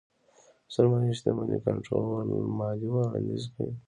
سرمايې شتمنۍ کنټرول ماليې وړانديز کوي.